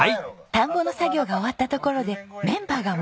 田んぼの作業が終わったところでメンバーが盛り上がってますよ！